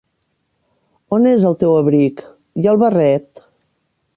On és el teu abric? I el barret?